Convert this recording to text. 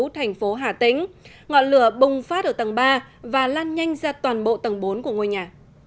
thành phố hà tĩnh ngọn lửa bùng phát ở tầng ba và lan nhanh ra toàn bộ tầng bốn của ngôi nhà